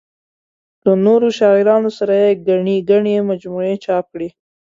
له نورو شاعرانو سره یې ګڼې مجموعې چاپ کړې.